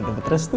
udah betres tuh